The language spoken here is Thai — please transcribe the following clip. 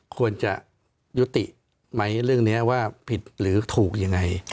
ควรจะยุติไหมเรื่องนี้ว่าผิดหรือถูกยังไง